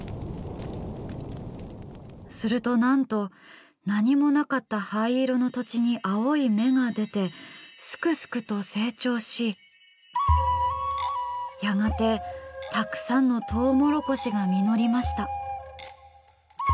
するとなんと何もなかった灰色の土地に青い芽が出て、すくすくと成長しやがて、たくさんのとうもろこしが実りました。